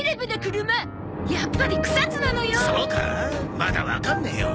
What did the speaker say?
まだわかんねえよ。